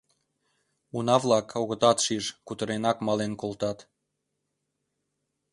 Уна-влак огытат шиж — кутыренак мален колтат.